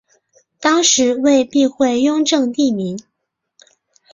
当是为避讳雍正帝名。